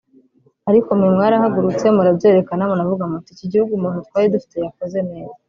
Ariko mwe mwarahagurutse murabyerekana muravuga muti iki gihugu umuntu twari dufite yakoze neza